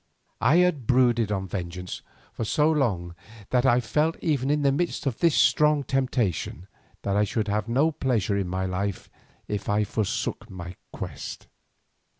I had brooded on vengeance for so long that I felt even in the midst of this strong temptation that I should have no pleasure in my life if I forsook my quest.